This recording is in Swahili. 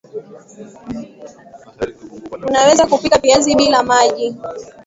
Unaweza Kupika viazi bila maji